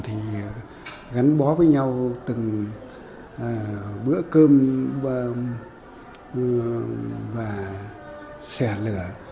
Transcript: thì gắn bó với nhau từng bữa cơm và xẻ lửa